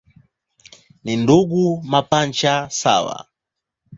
Ni ndugu mapacha sawa.